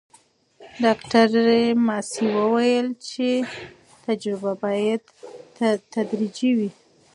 ډاکټره ماسي وویل چې تجربه باید تدریجي وي.